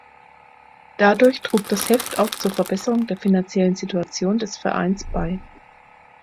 Dadurch trug das Heft auch zur Verbesserung der finanziellen Situation des Vereins bei.